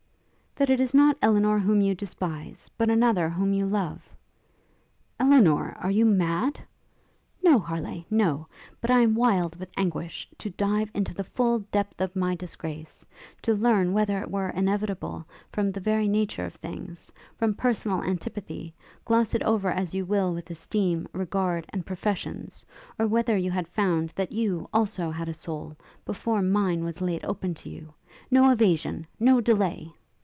'That it is not Elinor whom you despise but another whom you love.' 'Elinor! are you mad?' 'No, Harleigh, no! but I am wild with anguish to dive into the full depth of my disgrace; to learn whether it were inevitable, from the very nature of things, from personal antipathy, gloss it over as you will with esteem, regard, and professions; or whether you had found that you, also, had a soul, before mine was laid open to you. No evasion no delay!'